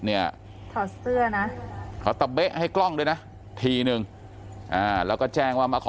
เนี่ยถอดเสื้อนะเขาตะเบ๊ะให้กล้องด้วยนะทีนึงแล้วก็แจ้งว่ามาขอ